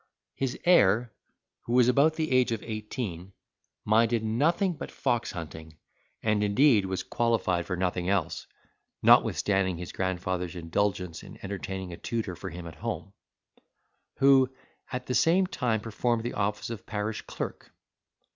His heir, who was about the age of eighteen, minded nothing but fox hunting, and indeed was qualified for nothing else, notwithstanding his grandfather's indulgence in entertaining a tutor for him at home; who at the same time performed the office of parish clerk.